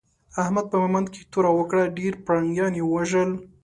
احمد په ميوند کې توره وکړه؛ ډېر پرنګيان يې ووژل.